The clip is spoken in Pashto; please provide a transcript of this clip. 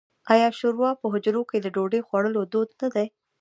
آیا شوروا په حجرو کې د ډوډۍ خوړلو دود نه دی؟